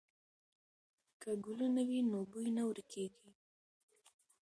که ګلونه وي نو بوی نه ورکېږي.